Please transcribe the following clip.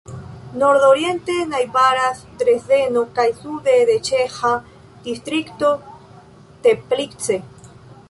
Nordoriente najbaras Dresdeno kaj sude la ĉeĥa distrikto Teplice.